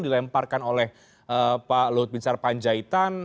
dilemparkan oleh pak luhut bin sarpanjaitan